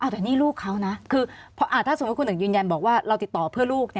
แต่นี่ลูกเขานะคือถ้าสมมุติคุณหนึ่งยืนยันบอกว่าเราติดต่อเพื่อลูก